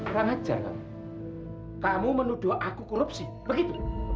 kurang ajar pak kamu menuduh aku korupsi begitu